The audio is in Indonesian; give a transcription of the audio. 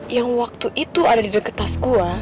yang waktu itu ada di deketas gue